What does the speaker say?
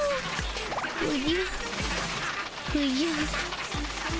おじゃおじゃ。